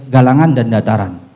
galangan dan dataran